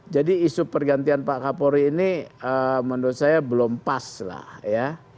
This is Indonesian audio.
jadi isu pergantian pak kapolri ini menurut saya belum pas lah ya